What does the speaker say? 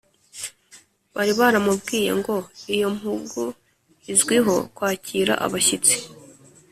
bari baramubwiye ngo iyo mpugu izwiho kwakira abashyitsi